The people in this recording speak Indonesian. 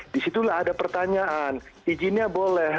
di situlah ada pertanyaan izinnya boleh